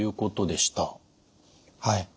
はい。